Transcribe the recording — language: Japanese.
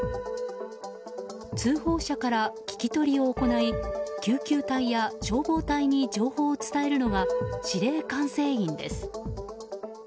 通報者から聞き取りを行い救急隊や消防隊に情報を伝えるのが指令管制員です。